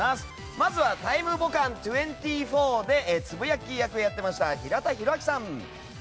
まずは「タイムボカン２４」でツブヤッキー役をやっていました平田広明さん。